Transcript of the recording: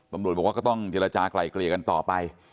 สมมติว่าก็ต้องเยลจากไหลเกลี่ยกันต่อไป